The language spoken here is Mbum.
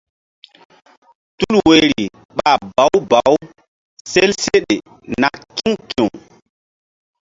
Tul woyri ɓa bawu bawu sel seɗe na ki̧w ki̧w.